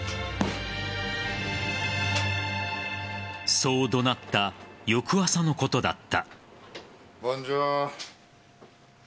そう怒鳴った翌朝のことだった。